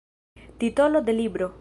Titolo de libro.